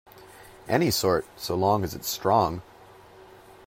Any sort, so long as it's strong.